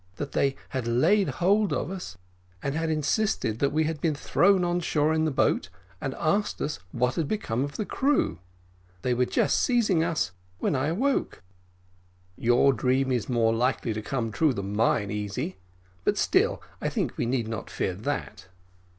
That they had laid hold of us, and had insisted that we had been thrown on shore in the boat, and asked us what had become of the crew they were just seizing us, when I awoke." "Your dream is more likely to come true than mine, Easy; but still I think we need not fear that.